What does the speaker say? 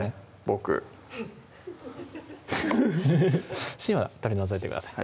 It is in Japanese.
僕フフフフッ芯は取り除いてください